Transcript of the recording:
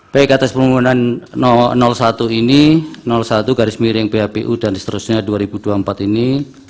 baik atas pembangunan satu ini satu garis miring phpu dan seterusnya dua ribu dua puluh empat ini